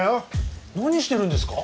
何してるんですか？